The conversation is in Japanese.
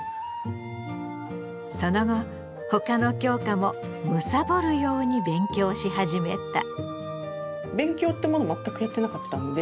その後他の教科も貪るように勉強し始めた。